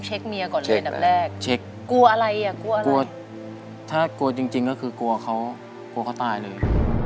เช็คกลัวอะไรถ้ากลัวจริงก็คือกลัวเค้ากลัวเค้าตายเลย